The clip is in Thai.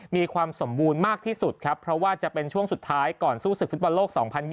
มีความสมบูรณ์มากที่สุดครับเพราะว่าจะเป็นช่วงสุดท้ายก่อนสู้ศึกฟุตบอลโลก๒๐๒๐